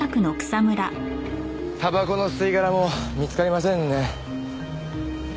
タバコの吸い殻も見つかりませんね。